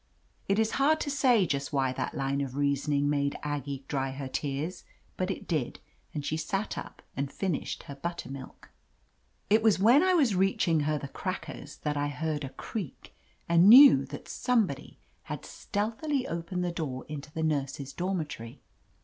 It is hard to say just why that line of rea soning made Aggie dry her tears, but it did, and she sat up and finished her buttermilk. 134 *i \ OF LETITIA CARBERRY It was when I was reaching her the crackers that I heard a creak, and knew that somebody had stealthily opened the door into the nurses' dormitory.